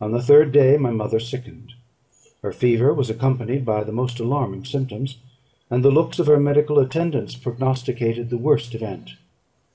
On the third day my mother sickened; her fever was accompanied by the most alarming symptoms, and the looks of her medical attendants prognosticated the worst event.